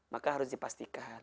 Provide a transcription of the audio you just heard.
maka harus dipastikan